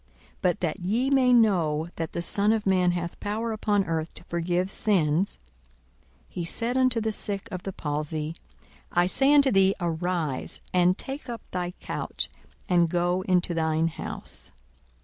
42:005:024 But that ye may know that the Son of man hath power upon earth to forgive sins, (he said unto the sick of the palsy,) I say unto thee, Arise, and take up thy couch, and go into thine house.